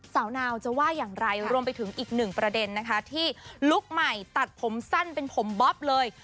สาวนาวจะว่าอย่างไรรวมไปถึงอีกหนึ่งประเด็นนะคะที่ลุคใหม่ตัดผมสั้นเป็นผมบ๊อบเลย